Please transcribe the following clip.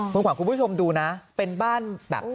คุณขวัญคุณผู้ชมดูนะเป็นบ้านแบบ